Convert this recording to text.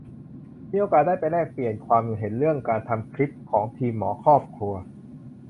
มีโอกาสได้ไปแลกเปลี่ยนความเห็นเรื่องการทำคลิปของทีมหมอครอบครัว